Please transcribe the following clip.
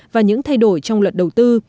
và những thay đổi trong luật đầu tư